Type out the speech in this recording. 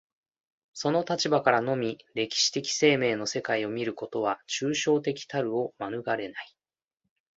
その立場からのみ歴史的生命の世界を見ることは、抽象的たるを免れない。